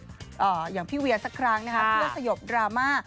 ก็อยากให้พี่เวียนที่จะสยบดราม่า